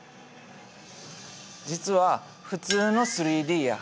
実は普通の３Ｄや。